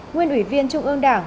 nguyên ủy viên trung ương đảng